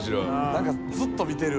何かずっと見てる。